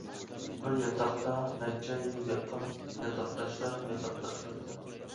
بىر ياتاقتا نەچچە يىل ياتقان، ياتاقداشلار ياتاقداشلاردىن.